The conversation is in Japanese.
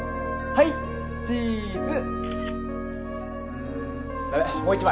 はいチーズ。